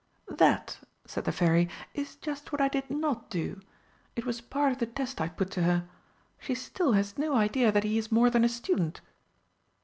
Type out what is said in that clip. "That," said the Fairy, "is just what I did not do. It was part of the test I put to her. She still has no idea that he is more than a student."